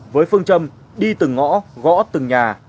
với phương châm đi từng ngõ gõ từng nhà